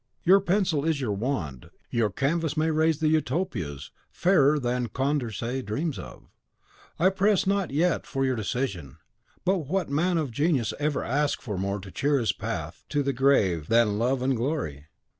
Your pencil is your wand; your canvas may raise Utopias fairer than Condorcet dreams of. I press not yet for your decision; but what man of genius ever asked more to cheer his path to the grave than love and glory?"